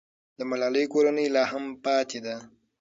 د ملالۍ کورنۍ لا هم پاتې ده.